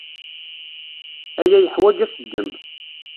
Aya yeḥwaǧ aseggem.